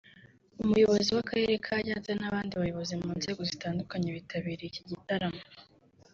Umuyobozi w’Akarere ka Nyanza n’abandi bayobozi mu nzego zitandukanye bitabiriye iki gitaramo